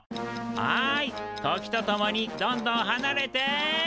はい時と共にどんどんはなれて。